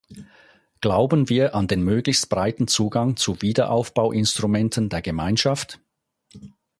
Glauben wir an den möglichst breiten Zugang zu Wiederaufbauinstrumenten der Gemeinschaft?